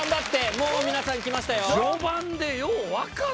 もう皆さん来ましたよ。